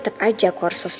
kamu jangan takut lagi